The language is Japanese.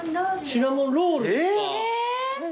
シナモンロールですか。